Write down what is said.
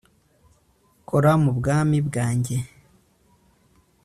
kora m'ubwami bwanjye